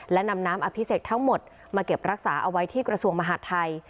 และนำน้ำอภิเษกทั้งหมดมาเก็บรักษาเอาไว้ที่กระทรวงมหาดไทย